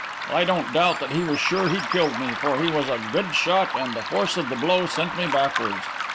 I don't doubt that he was sure he'd killed me, for he was a good shot and the force of the blow sent me backwards.